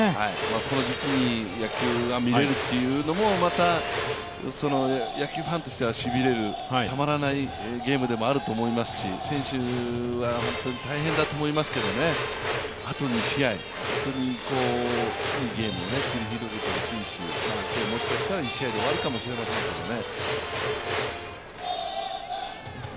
この時期、野球が見れるというのもまた、野球ファンとしてはしびれる、たまらないゲームでもあると思いますし、選手は本当に大変だと思いますけどあと２試合、いいゲームを繰り広げてほしいですし、今日もしかしたら１試合で終わるかもしれませんけどね。